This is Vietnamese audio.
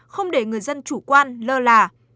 không để người dân chủ quan lơ là